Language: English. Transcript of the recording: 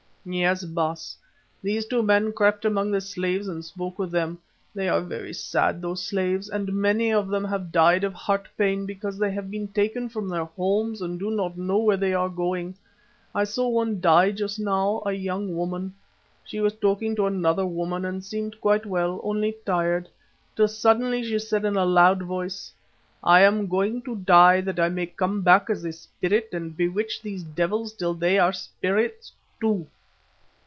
"Yes, Baas. These two men crept among the slaves and spoke with them. They are very sad, those slaves, and many of them have died of heart pain because they have been taken from their homes and do not know where they are going. I saw one die just now; a young woman. She was talking to another woman and seemed quite well, only tired, till suddenly she said in a loud voice, 'I am going to die, that I may come back as a spirit and bewitch these devils till they are spirits too.